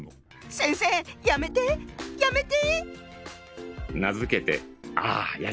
先生やめてやめて！